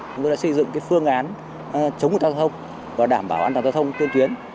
chúng tôi đã xây dựng phương án chống lưu thông và đảm bảo an toàn giao thông tuyến tuyến